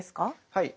はい。